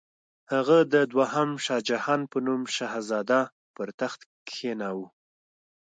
هغه د دوهم شاهجهان په نوم شهزاده پر تخت کښېناوه.